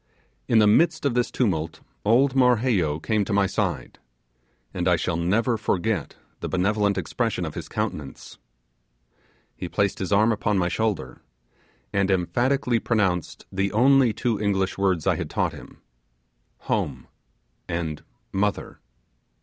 In the midst of this tumult old Marheyo came to my side, and I shall never forget the benevolent expression of his countenance. He placed his arm upon my shoulder, and emphatically pronounced the only two English words I had taught him 'Home' and 'Mother'.